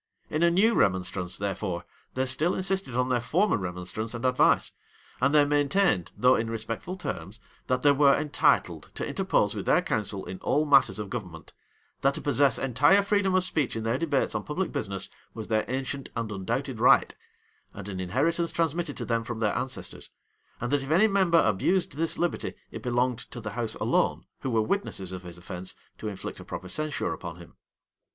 In a new remonstrance, therefore, they still insisted on their former remonstrance and advice; and they maintained, though in respectful terms, that they were entitled to interpose with their counsel in all matters of government; that to possess entire freedom of speech in their debates on public business, was their ancient and undoubted right, and an inheritance transmitted to them from their ancestors; and that if any member abused this liberty, it belonged to the house alone, who were witnesses of his offence, to inflict a proper censure upon him.